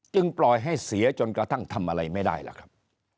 ปล่อยให้เสียจนกระทั่งทำอะไรไม่ได้ล่ะครับ